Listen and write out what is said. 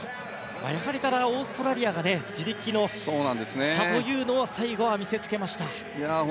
やはり、ただオーストラリアが地力の差というのを最後は見せつけました。